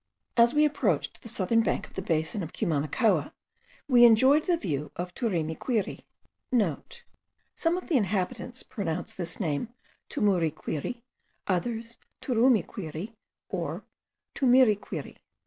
As we approached the southern bank of the basin of Cumanacoa, we enjoyed the view of the Turimiquiri.* (* Some of the inhabitants pronounce this name Tumuriquiri, others Turumiquiri, or Tumiriquiri.